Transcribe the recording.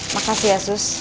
makasih ya sus